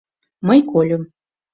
— Мый кольым.